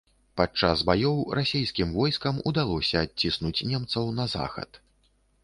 Падчас баёў расейскім войскам удалося адсунуць немцаў на захад.